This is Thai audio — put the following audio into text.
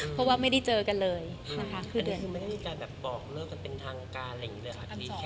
เพราะว่าไม่ได้เจอกันเลยนะคะคือไม่ได้มีการแบบบอกเลิกกันเป็นทางการอะไรอย่างนี้เลยค่ะ